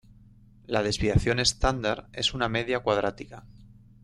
La desviación estándar es una media cuadrática.